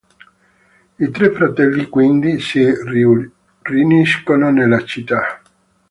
I tre fratelli, quindi, si riuniscono nella città.